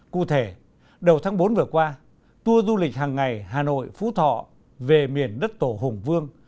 cụ thể đầu tháng bốn vừa qua tour du lịch hàng ngày hà nội phú thọ về miền đất tổ hùng vương